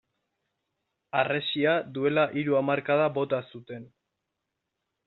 Harresia duela hiru hamarkada bota zuten.